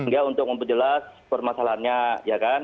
ya untuk memperjelas permasalahannya ya kan